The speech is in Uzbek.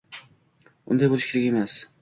Unday bo‘lishi kerak emas.